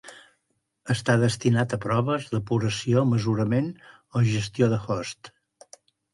Està destinat a proves, depuració, mesurament o gestió de host.